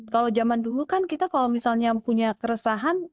kalau zaman dulu kan kita kalau misalnya punya keresahan